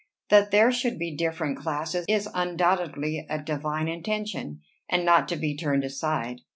That there should be different classes is undoubtedly a divine intention, and not to be turned aside.